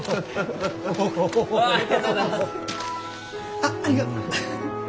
あっありがとう！